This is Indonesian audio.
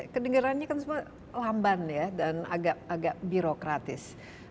kedengerannya kan semua lamban ya dan agak birokratis